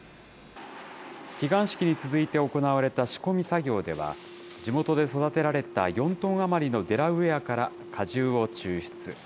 祈願式に続いて行われた仕込み作業では、地元で育てられた４トン余りのデラウエアから果汁を抽出。